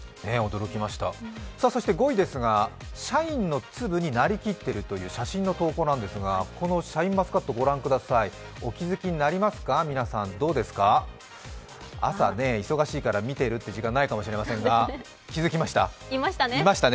そして５位ですが、「シャインの粒になりきってる」という写真の投稿なんですがこのシャインマスカット、御覧ください、お気づきになりますか皆さん、どうですか、朝忙しいから見てるという時間ないかもしれませんが気付きました？